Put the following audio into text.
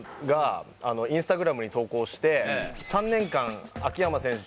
３年間秋山選手